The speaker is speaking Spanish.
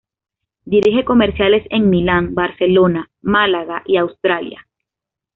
Dirige comerciales en Milán, Barcelona, Málaga y Australia.